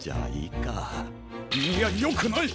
いやよくない！